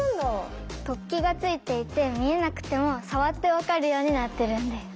突起がついていて見えなくても触って分かるようになってるんです。